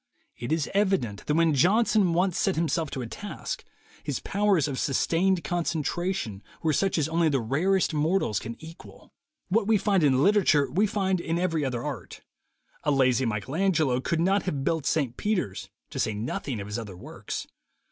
It is evi dent that when Johnson once set himself to a task, his powers of sustained concentration were such as only the rarest mortals can equal. What we find in literature, we find in every other art. A lazy Michael Angelo could not have built St. Peters, to say nothing of his other works.